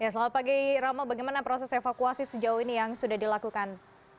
selamat pagi rama bagaimana proses evakuasi sejauh ini yang sudah dilakukan